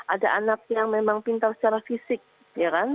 ada anak yang memang pintar secara fisik ya kan